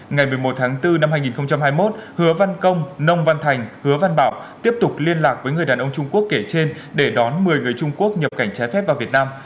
ngày một mươi một tháng bốn năm hai nghìn hai mươi một hứa văn công nông văn thành hứa văn bảo tiếp tục liên lạc với người đàn ông trung quốc kể trên để đón một mươi người trung quốc nhập cảnh trái phép vào việt nam